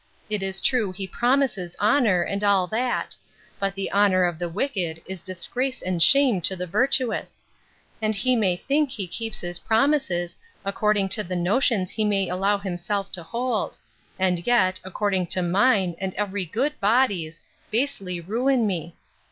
It is true he promises honour, and all that; but the honour of the wicked is disgrace and shame to the virtuous: And he may think he keeps his promises, according to the notions he may allow himself to hold; and yet, according to mine and every good body's, basely ruin me.